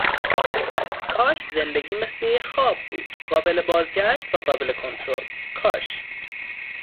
کاش زندگی مثل یه خواب بود قابل بازگشت و قابل کنترل. کاش